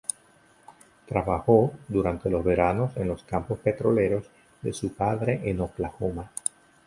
Trabajó durante los veranos en los campos petroleros de su padre en Oklahoma.